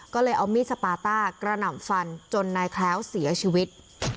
ก็เลยเอามีดสปาต้ากระหน่ำฟันจนนายแคล้วเสียชีวิต